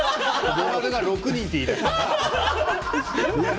華丸が６人って言いだしたの。